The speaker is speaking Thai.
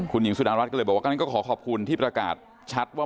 คุณหญิงสุดารัฐก็เลยบอกว่างั้นก็ขอขอบคุณที่ประกาศชัดว่า